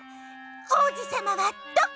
おうじさまはどこ？